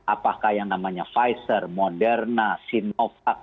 apakah yang namanya pfizer moderna sinovac